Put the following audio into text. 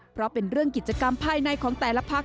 เพราะเป็นเรื่องกิจกรรมภายในของแต่ละพัก